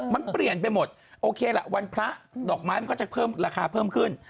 มันเปลี่ยนไปหมดโอเคละวันพระดอกไม้มันก็จะเพิ่มราคาเพิ่มขึ้น